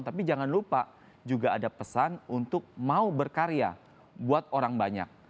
tapi jangan lupa juga ada pesan untuk mau berkarya buat orang banyak